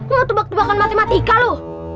mau tebak tebakan matematika lo